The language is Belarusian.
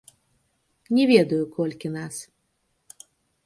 Не ведаю, колькі нас.